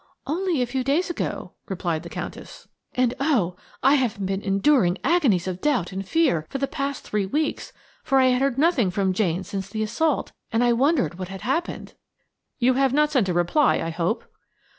"Only a few days ago," replied the Countess. "And oh! I have been enduring agonies of doubt and fear for the past three weeks, for I had heard nothing from Jane since the assault, and I wondered what had happened." "You have not sent a reply, I hope."